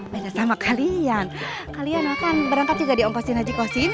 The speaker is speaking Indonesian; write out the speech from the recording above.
benar sama kalian kalian mah kan berangkat juga di ongkosin haji kosim ya